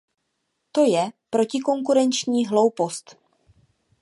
To je protikonkurenční hloupost.